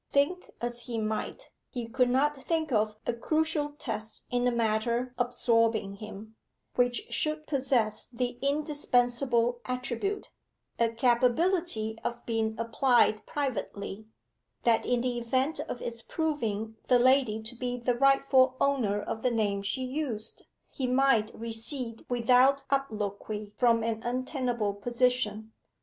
Think as he might, he could not think of a crucial test in the matter absorbing him, which should possess the indispensable attribute a capability of being applied privately; that in the event of its proving the lady to be the rightful owner of the name she used, he might recede without obloquy from an untenable position.